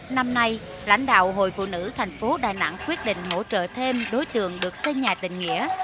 năm nay lãnh đạo hội phụ nữ thành phố đà nẵng quyết định hỗ trợ thêm đối tượng được xây nhà tình nghĩa